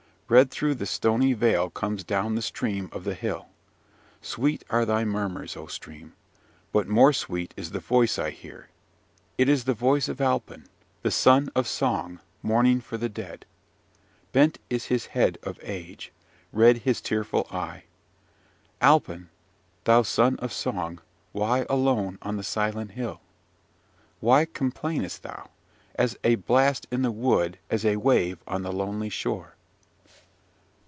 Red through the stony vale comes down the stream of the hill. Sweet are thy murmurs, O stream! but more sweet is the voice I hear. It is the voice of Alpin, the son of song, mourning for the dead! Bent is his head of age: red his tearful eye. Alpin, thou son of song, why alone on the silent hill? why complainest thou, as a blast in the wood as a wave on the lonely shore?